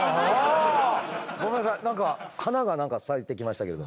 ごめんなさい何か花が何か咲いてきましたけれど。